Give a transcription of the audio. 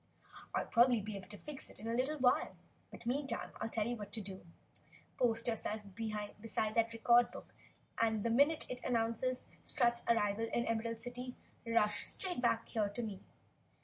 I'll probably be able to fix it in a little while, but meantime I tell you what you can do. Post yourself beside that record book and the minute it announces Strut's arrival in the Emerald City, rush straight back here to me!"